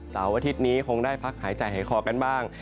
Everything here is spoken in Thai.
อาทิตย์นี้คงได้พักหายใจหายคอกันบ้าง